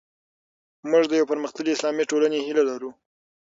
موږ د یوې پرمختللې اسلامي ټولنې هیله لرو.